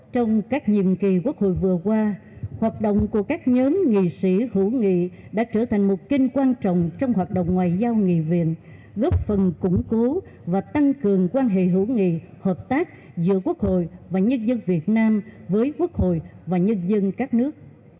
trong các nhiệm kỳ quốc hội vừa qua hoạt động của các nhóm nghị sĩ hữu nghị đã trở thành một kinh quan trọng trong hoạt động ngoại giao nghị viện góp phần củng cố và tăng cường quan hệ hữu nghị hợp tác giữa quốc hội và nhân dân việt nam với quốc hội và nhân dân các nước